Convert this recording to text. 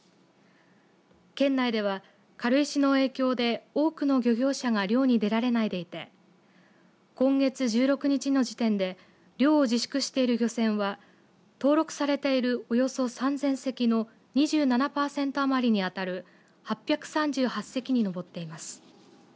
県内では軽石の影響で多くの漁業者が漁に出られないでいて今月１６日の時点で漁を自粛している漁船は登録されているおよそ３０００隻の２７パーセント余りに当たる８３８隻に上っています。